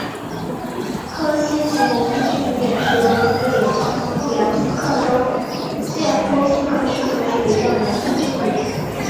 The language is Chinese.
科西齐农村居民点是俄罗斯联邦布良斯克州谢夫斯克区所属的一个农村居民点。